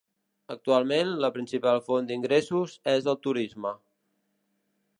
Actualment, la principal font d'ingressos és el turisme.